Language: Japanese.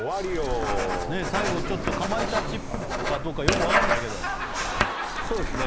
最後ちょっとかまいたちっぽいかどうかよくわかんないけどそうですね